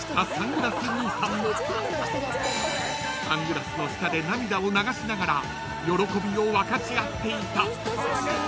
［サングラスの下で涙を流しながら喜びを分かちあっていた］